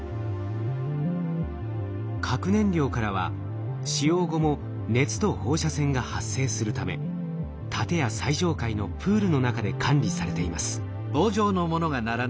核燃料からは使用後も熱と放射線が発生するため建屋最上階のプールの中で管理されています。